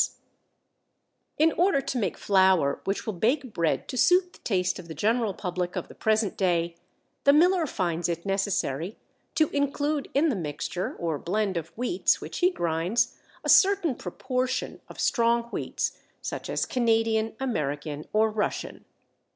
Strength 20] In order to make flour which will bake bread to suit the taste of the general public of the present day, the miller finds it necessary to include in the mixture or blend of wheats which he grinds a certain proportion of strong wheats such as Canadian, American, or Russian.